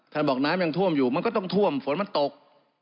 บอกน้ำยังท่วมอยู่มันก็ต้องท่วมฝนมันตก